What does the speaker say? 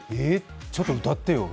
ちょっと歌ってよ。